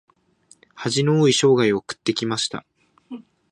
恥の多い生涯を送ってきました。